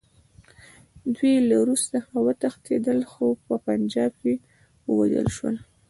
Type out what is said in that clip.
دوی له روس څخه وتښتېدل، خو په پنجاب کې ووژل شول.